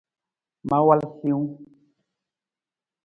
Ma walu siwung.